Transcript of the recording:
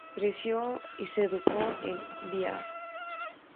Creció y se educó en Bihar.